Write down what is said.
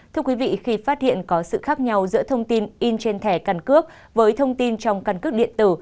thưa quý vị khi phát hiện có sự khác nhau giữa thông tin in trên thẻ căn cước với thông tin trong căn cước điện tử